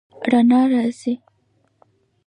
رڼا راځي